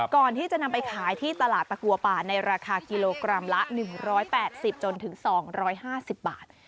ก่อนที่จะนำไปขายที่ตลาดตะกัวป่าในราคากิโลกรัมละ๑๘๐จนถึง๒๕๐บาท